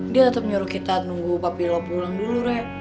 dia tetep nyuruh kita nunggu papi lo pulang dulu re